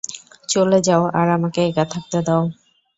চলে যাও আর আমাকে একা থাকতে দাও।